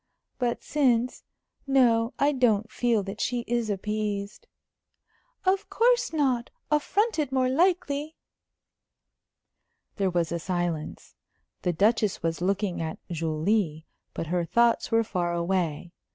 "But since No, I don't feel that she is appeased." "Of course not. Affronted, more likely." There was a silence. The Duchess was looking at Julie, but her thoughts were far away.